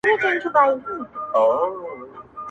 ازموینه کي د عشق برابر راغله-